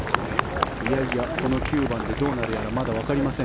この９番でどうなるやらまだわかりません。